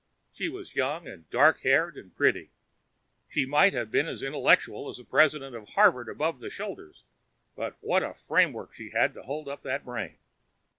She was young and dark haired and pretty. She might have been as intellectual as the president of Harvard above the shoulders, but what a framework she had to hold up that brain!